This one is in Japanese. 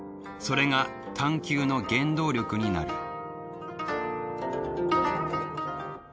それが探究の原動力になる。